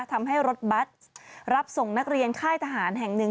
ทำให้รถบัสรับส่งนักเรียนค่ายทหารแห่งหนึ่ง